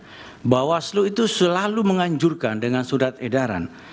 seingat saya bahwa seluruh itu selalu menganjurkan dengan sudat edaran